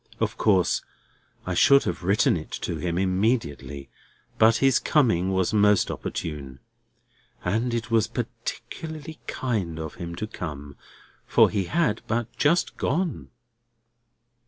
Of course I should have written it to him immediately; but his coming was most opportune. And it was particularly kind of him to come, for he had but just gone."